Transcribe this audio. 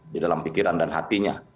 di dalam pikiran dan hatinya